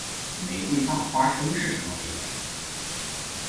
玫瑰大花生是什么味道？